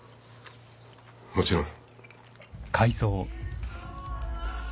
もちろん。